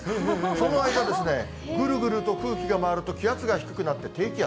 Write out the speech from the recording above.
その間ですね、ぐるぐると空気が回ると気圧が低くなって、低気圧。